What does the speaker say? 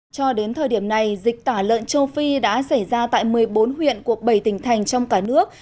cho đến thời điểm này dịch tả lợn châu phi đã xảy ra tại một mươi bốn huyện của bảy tỉnh thành trong cả nước